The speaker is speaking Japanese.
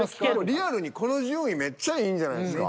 リアルにこの順位めっちゃいいんじゃないすか？